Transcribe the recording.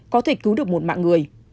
có thể cứu được một mạng người